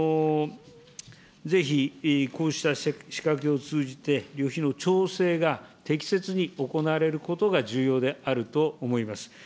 ぜひ、こうした仕掛けを通じて、旅費の調整が適切に行われることが重要であると思います。